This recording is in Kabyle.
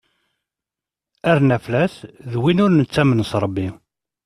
Arnaflas d win ur nettamen s Rebbi.